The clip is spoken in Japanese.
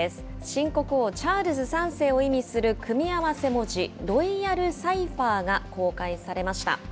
新国王、チャールズ３世を意味する組み合わせ文字、ロイヤル・サイファーが公開されました。